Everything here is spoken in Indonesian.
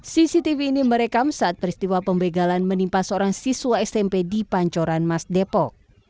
cctv ini merekam saat peristiwa pembegalan menimpa seorang siswa smp di pancoran mas depok